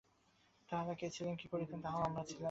তাঁহারা কে ছিলেন, কি করিতেন, তাহাও আমরা জানি না।